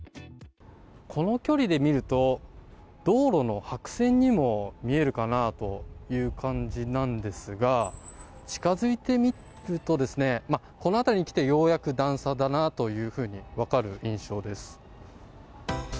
この距離で見ると、道路の白線にも見えるかなぁという感じなんですが、近づいてみると、この辺りに来て、ようやく段差だなというふうに分かる印象です。